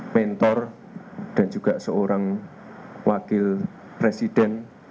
mentor dan juga seorang wakil presiden